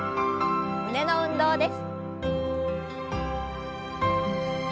胸の運動です。